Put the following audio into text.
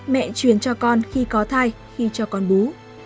mẹ truyền cho con khi có thai khi cho con bú